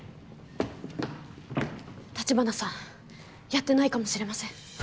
立花さんやってないかもしれません。